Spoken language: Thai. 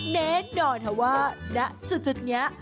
แน่นอนค่ะว่าณจุดนี้